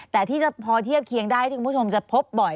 แต่ที่จะพอเทียบเคียงได้ที่คุณผู้ชมจะพบบ่อย